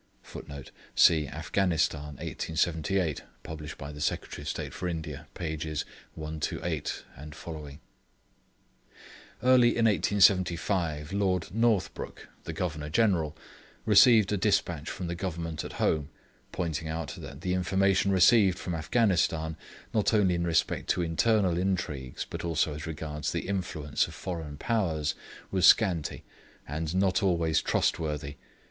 [Footnote: See Afghanistan, 1878, published by Secretary of State for India, p. 128 et seq.] Early in 1875, Lord Northbrook, the Governor General, received a despatch from the Government at home, pointing out that the information received from Afghanistan, not only in respect to internal intrigues but also as regards the influence of foreign Powers, was scanty, and not always trustworthy.